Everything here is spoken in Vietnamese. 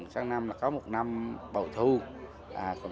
sáng năm là có một năm bầu thu